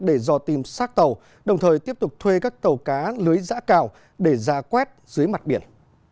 để dò tìm sát tàu đồng thời tiếp tục thuê các tàu cá lưới giã cào để ra quét dưới mặt biển